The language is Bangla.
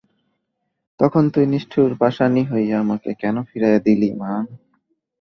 তখন তুই নিষ্ঠুর পাষাণী হইয়া আমাকে কেন ফিরাইয়া দিলি মা?